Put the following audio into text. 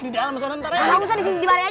di dalam sana ntar ya